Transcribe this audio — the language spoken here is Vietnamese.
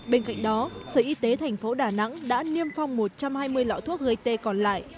bên cạnh đó sở y tế thành phố đà nẵng đã niêm phong một trăm hai mươi lọ thuốc gây tê còn lại